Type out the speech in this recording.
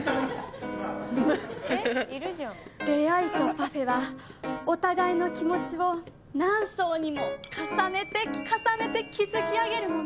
出会いとパフェはお互いの気持ちを何層にも重ねて重ねて築き上げるもの！